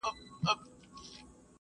په دربار کي د زمري پاچا مېلمه سو `